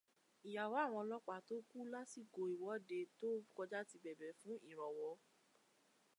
Ìyàwó àwọn ọlọ́pàá tó kú lásìkò ìwọ́de tó kọjá ti bẹ̀bẹ̀ fún ìrànwọ́